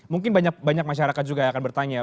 mungkin banyak masyarakat juga yang akan bertanya